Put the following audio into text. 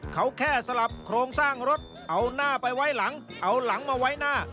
เขาแค่สลับโครงสร้างรถเอาหน้าไปไว้หลังเอาหลังมาไว้หน้า